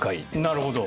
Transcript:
なるほど。